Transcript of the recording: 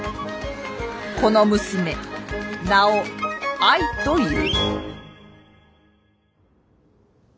この娘名を愛という。